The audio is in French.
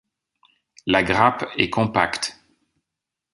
La grappe est compacte.